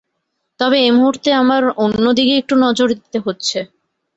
তবে এ মুহুর্তে আমার অন্য দিকে একটু নজর দিতে হচ্ছে।